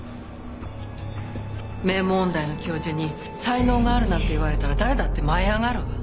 名門音大の教授に才能があるなんて言われたら誰だって舞い上がるわ。